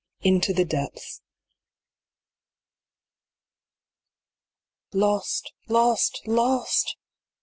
INTO THE DEPTHS. TOST lost lost